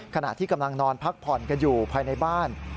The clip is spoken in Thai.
ขณะที่กำลังนอนพักผ่อนกันอยู่ภายในบ้าน